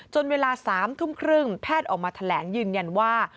เวลา๓ทุ่มครึ่งแพทย์ออกมาแถลงยืนยันว่า